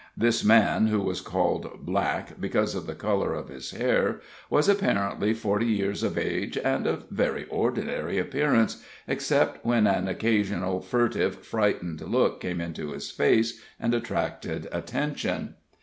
This man, who was called Black, because of the color of his hair, was apparently forty years of age, and of very ordinary appearance, except when an occasional furtive, frightened look came into his face and attracted attention.